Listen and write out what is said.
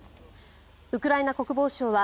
ウクライナ国防省は